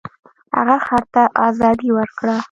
هغه خر ته ازادي ورکړه.